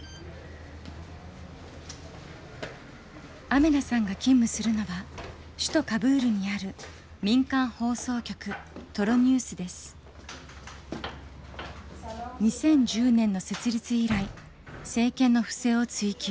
アメナさんが勤務するのは首都カブールにある２０１０年の設立以来政権の不正を追及。